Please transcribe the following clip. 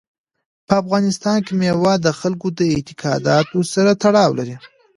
په افغانستان کې مېوې د خلکو د اعتقاداتو سره تړاو لري.